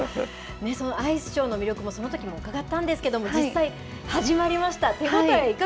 アイスショーの魅力もそのときに伺ったんですけれども、実際、始まりました。